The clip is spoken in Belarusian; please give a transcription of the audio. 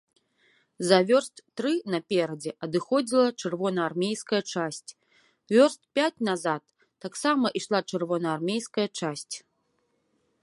За вёрст тры наперадзе адыходзіла чырвонаармейская часць, вёрст пяць назад таксама ішла чырвонаармейская часць.